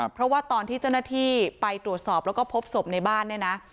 เพราะว่าตอนที่เจ้าหน้าที่ไปตรวจสอบแล้วก็พบศพในบ้านเนี่ยนะ